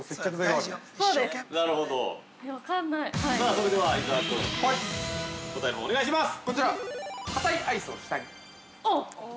◆それでは伊沢君、答えのほうをお願いします。